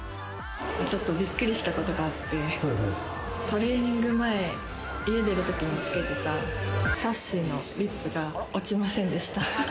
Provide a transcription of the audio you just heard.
ちょっとびっくりしたことがあって、トレーニング前、家出るときにつけてたさっしーのリップが落ちませんでした。